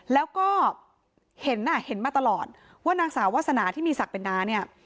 แล้วก็เห็นน่ะเห็นมาตลอดว่านางสาววาสนาที่มีศักดิ์เป็นน้าเนี่ย